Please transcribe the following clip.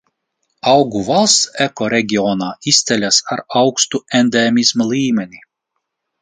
Augu valsts ekoreģionā izceļas ar augstu endēmisma līmeni.